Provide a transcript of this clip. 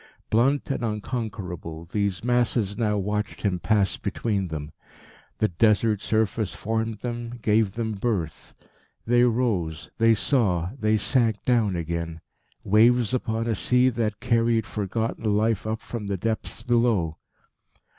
Blunt and unconquerable, these masses now watched him pass between them. The Desert surface formed them, gave them birth. They rose, they saw, they sank down again waves upon a sea that carried forgotten life up from the depths below.